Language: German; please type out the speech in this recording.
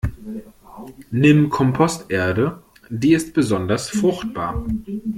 Nimm Komposterde, die ist besonders fruchtbar.